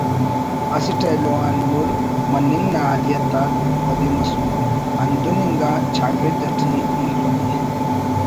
اسٹ ایلو آن مُر مننگ نا حالیت آک ودی مسنو ہندن انگا چاگڑد اٹی ایلمی